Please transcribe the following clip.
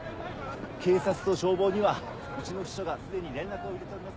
警察と消防にはうちの秘書がすでに連絡を入れております。